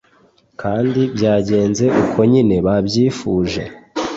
kandi byagenze uko nyine babyifuje